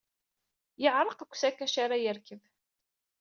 Yeɛreq deg usakac ara yerkeb.